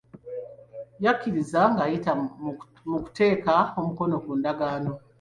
Yakkiriza ng'ayita mu kuteeka omukono ku ndagaano.